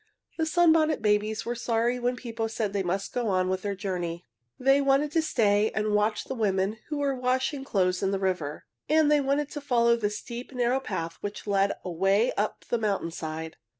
The Sunbonnet Babies were sorry when Pippo said they must go on with their journey. They wanted to stay and watch the women who were washing clothes in the river, and they wanted to follow a steep, narrow path which led away up the mountain side.